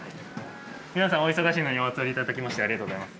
皆さんお忙しいのにお集まりいただきましてありがとうございます。